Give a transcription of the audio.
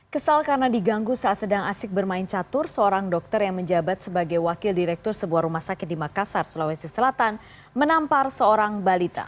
kesal karena diganggu saat sedang asik bermain catur seorang dokter yang menjabat sebagai wakil direktur sebuah rumah sakit di makassar sulawesi selatan menampar seorang balita